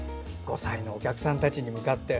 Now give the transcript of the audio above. ５歳のお客さんたちに向かって。